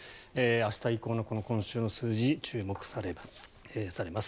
明日以降の今週の数字が注目されます。